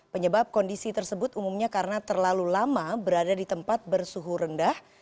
penyebab kondisi tersebut umumnya karena terlalu lama berada di tempat bersuhu rendah